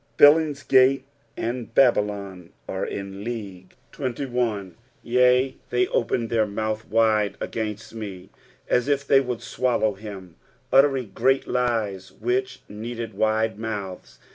Billingsgate and Babylon are in league. 31. '^ Yea, they opened their mouth wide againtt me." As if they would swallow him. tltteriag great lies which needed wide mouths.